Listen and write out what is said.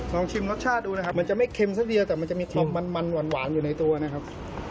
ชิมรสชาติดูนะครับมันจะไม่เค็มซะเดียวแต่มันจะมีความมันหวานอยู่ในตัวนะครับ